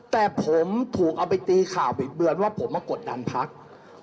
แต่ผมถูกเอาไปตีข่าวบิดเบือนว่าผมมากดดันพัก